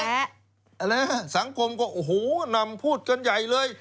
อะไรนะสังคมหนำพูดกันใหญ่เลย